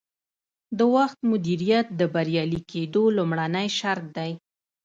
د وخت مدیریت د بریالي کیدو لومړنی شرط دی.